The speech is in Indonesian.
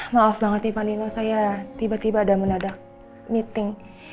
maaf banget nih pak nino saya tiba tiba ada menadak meeting